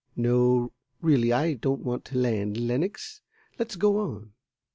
No, really I don't want to land, Lenox; let's go on."